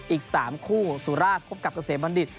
อีก๓คู่สุราชพบกับเกษมบัณฑิต